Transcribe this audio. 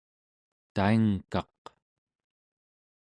taingkaq